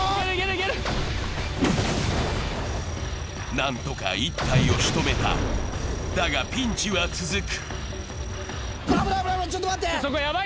何とか１体を仕留めた、だがピンチは続く。